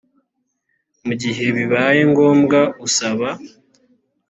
mu gihe bibaye ngombwa usaba